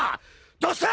どうした！？